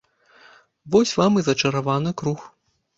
Вось вам і зачараваны круг.